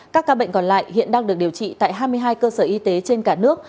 các ca bệnh còn lại hiện đang được điều trị tại hai mươi hai cơ sở y tế trên cả nước